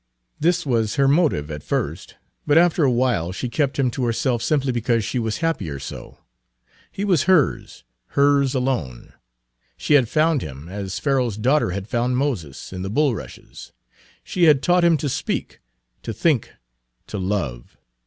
This was her motive at first, but after a while she kept him to herself simply because she was happier so. He was hers hers alone. She had found him, as Pharaoh's daughter had found Moses in the bulrushes; she had Page 149 taught him to speak, to think, to love.